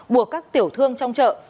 buộc các tiểu thương trong chợ